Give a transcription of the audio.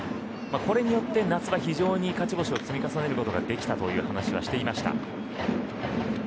これによって夏場は非常に勝ち星を積み重ねることができたという話はしていました。